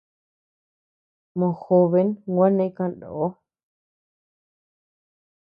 Mojoben gua neʼe kanó.